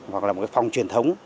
hoặc là một cái phòng truyền thống